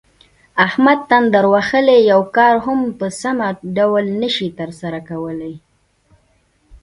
احمد تندر وهلی یو کار هم په سم ډول نشي ترسره کولی.